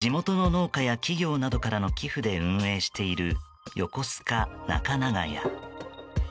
地元の農家や企業などからの寄付で運営しているよこすかなかながや。